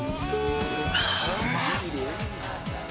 うまっ。